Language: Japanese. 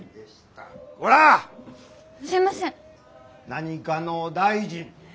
何かの大臣！